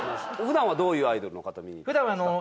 普段はどういうアイドルの方を見に行ってるんですか？